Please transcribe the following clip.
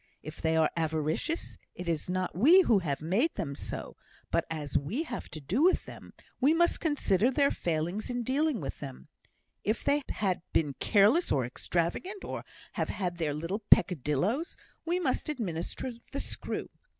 If they are avaricious, it is not we who have made them so; but as we have to do with them, we must consider their failings in dealing with them; if they have been careless or extravagant, or have had their little peccadillos, we must administer the screw.